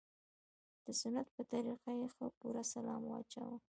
د سنت په طريقه يې ښه پوره سلام واچاوه.